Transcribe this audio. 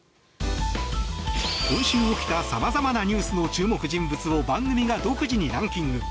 今週起きたさまざまなニュースの注目人物を番組が独自にランキング。